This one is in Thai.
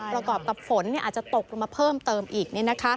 ประกอบกับฝนอาจจะตกลงมาเพิ่มเติมอีก